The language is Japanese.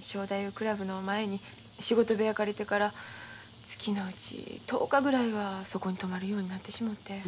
正太夫倶楽部の前に仕事部屋借りてから月のうち１０日ぐらいはそこに泊まるようになってしもて。